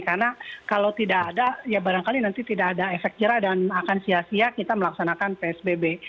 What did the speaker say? karena kalau tidak ada ya barangkali nanti tidak ada efek jerah dan akan sia sia kita melaksanakan psbb